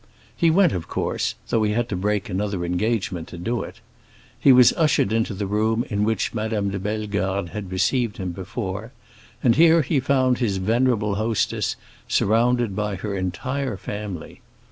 He went, of course, though he had to break another engagement to do it. He was ushered into the room in which Madame de Bellegarde had received him before, and here he found his venerable hostess, surrounded by her entire family.